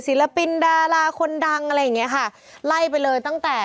ศิลปินดาราคนดังอะไรอย่างเงี้ยค่ะไล่ไปเลยตั้งแต่